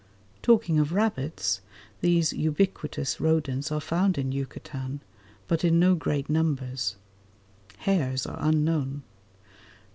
Talking of rabbits, these ubiquitous rodents are found in Yucatan, but in no great numbers. Hares are unknown.